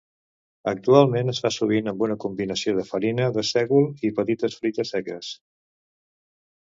Actualment es fa sovint amb una combinació de farina de sègol i petites fruites seques.